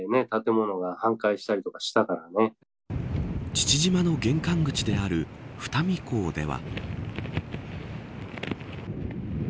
父島の玄関口である二見港では。